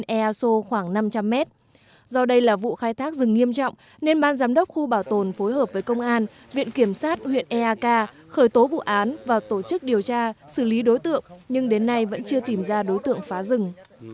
ea sô khoảng năm trăm linh mét do đây là vụ khai thác rừng nghiêm trọng nên ban giám đốc khu bảo tồn phối hợp với công an viện kiểm sát huyện eak khởi tố vụ án và tổ chức điều tra xử lý đối tượng nhưng đến nay vẫn chưa tìm ra đối tượng phá rừng